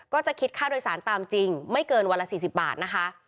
ก็จะคิดค่าโดยสารตามจริงไม่เกินวันละ๔๐บาทนะคะ